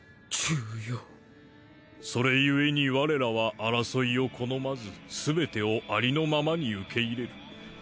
それゆえに我らは争いを好まずすべてをありのままに受け入れる。